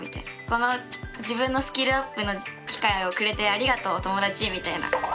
この自分のスキルアップの機会をくれてありがとう友達！みたいな。